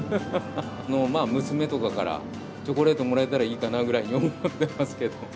まあ、娘とかから、チョコレートもらえたらいいかなぐらいに思ってますけども。